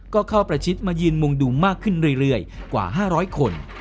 ก็เข้าประชิดมายืนมุงดูมากขึ้นเรื่อยกว่า๕๐๐คน